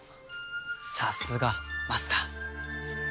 さすがマスター。